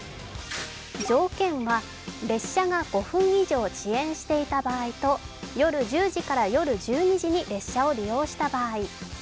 条件は、列車が５分以上遅延していた場合と夜１０時から夜１２時に列車を利用した場合。